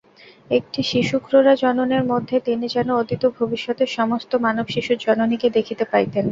একটি শিশুক্রোড়া জননীর মধ্যে তিনি যেন অতীত ও ভবিষ্যতের সমস্ত মানবশিশুর জননীকে দেখিতে পাইতেন।